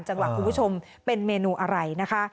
คุณผู้ชมเป็นเมนูอะไรนะคะ